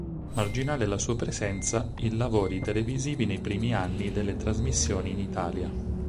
Marginale la sua presenza in lavori televisivi nei primi anni delle trasmissioni in Italia.